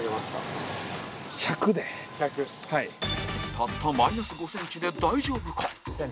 たったマイナス５ｃｍで大丈夫か？